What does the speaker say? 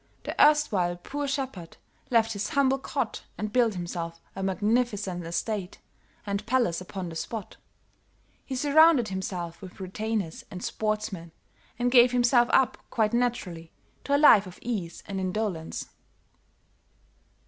The erstwhile poor shepherd left his humble cot and built himself a magnificent estate and palace upon the spot; he surrounded himself with retainers and sportsmen and gave himself up quite naturally to a life of ease and indolence.